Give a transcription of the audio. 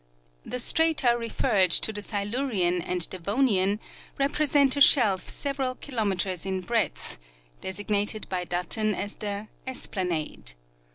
' The strata referred to the Silurian and Devonian represent a shelf several kilometers in breadth, designated by Button as the " esplanade."